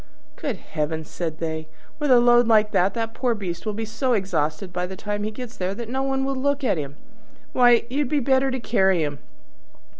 "Good heavens!" said they, "with a load like that the poor beast will be so exhausted by the time he gets there that no one will look at him. Why, you'd do better to carry him!"